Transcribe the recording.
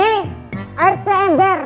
nih air seember